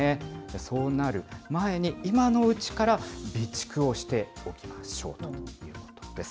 そうなる前に、今のうちから備蓄をしておきましょうということです。